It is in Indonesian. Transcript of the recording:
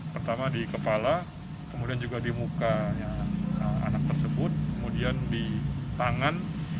pertama di kepala kemudian juga di mukanya anak tersebut kemudian di tangan